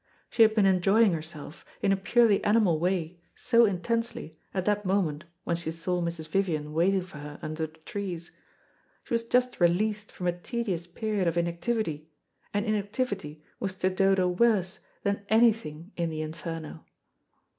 She had been enjoying herself, in a purely animal way so intensely, at that moment when she saw Mrs. Vivian waiting for her under the trees. She was just released from a tedious period of inactivity, and inactivity was to Dodo worse than anything in the Inferno.